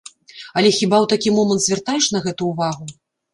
Але хіба ў такі момант звяртаеш на гэта ўвагу?!